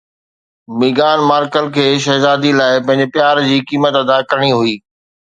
ميغان MARKAL کي شهزادي لاءِ پنهنجي پيار جي قيمت ادا ڪرڻي هئي